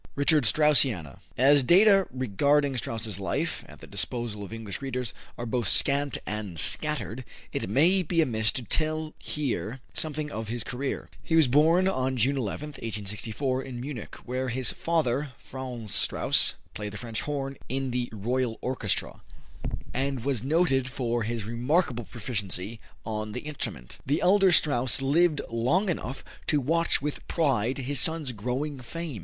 Richard Straussiana. As data regarding Strauss's life, at the disposal of English readers, are both scant and scattered, it may not be amiss to tell here something of his career. He was born on June 11, 1864, in Munich, where his father, Franz Strauss, played the French horn in the Royal Orchestra, and was noted for his remarkable proficiency on the instrument. The elder Strauss lived long enough to watch with pride his son's growing fame.